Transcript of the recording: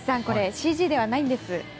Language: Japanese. これ、ＣＧではないんです。